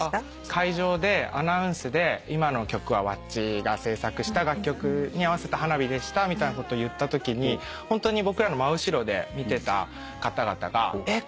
会場でアナウンスで「今の曲はｗａｃｃｉが制作した楽曲に合わせた花火でした」みたいなことを言ったときにホントに僕らの真後ろで見てた方々が「えっ！？